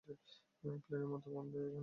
প্লেনের মত গন্ধ এখানে।